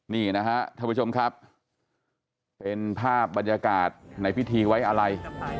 นี่นะฮะท่านผู้ชมครับเป็นภาพบรรยากาศในพิธีไว้อะไร